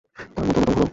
তার মধ্যে অন্যতম হল-